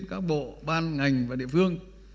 các bộ ban ngành và địa phương